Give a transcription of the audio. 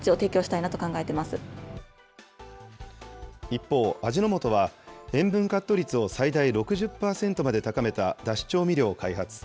一方、味の素は、塩分カット率を最大６０％まで高めただし調味料を開発。